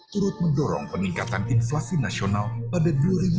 turut mendorong peningkatan inflasi nasional pada dua ribu dua puluh